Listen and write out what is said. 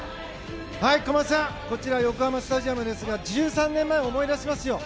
小松さんこちら横浜スタジアムですが１３年前を思い出しますよ。